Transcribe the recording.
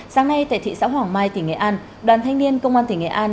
sáng nay tại thị xã hoàng mai tỉnh nghệ an đoàn thanh niên công an tỉnh nghệ an